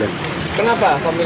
kenapa kau milih anak kecil